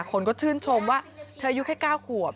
คนก็ชื่นชมว่าเธออายุแค่๙ขวบ